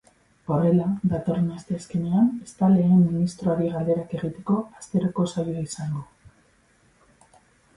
Horrela, datorren asteazkenean ez da lehen ministroari galderak egiteko asteroko saioa izango.